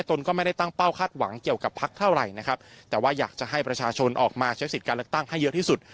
ตนก็ไม่ได้ตั้งเป้าคาดหวังเกี่ยวกับพักเท่าไหร่นะครับแต่ว่าอยากจะให้ประชาชนออกมาใช้สิทธิ์การเลือกตั้งให้เยอะที่สุด